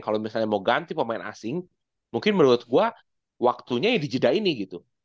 kalau misalnya mau ganti pemain asing mungkin menurut gue waktunya ya di jeda ini gitu